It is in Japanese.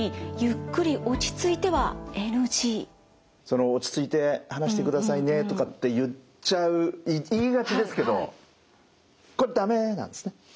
その「落ち着いて話してくださいね」とかって言っちゃう言いがちですけどこれ駄目なんですね。